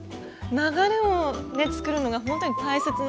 流れをつくるのがほんとに大切なんですね。